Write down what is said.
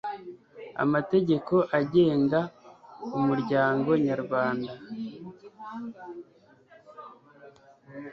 amategeko agenga umuryango nyarwanda